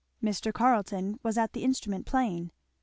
Mr. Carleton was at the instrument, playing.